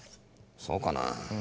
そうかな。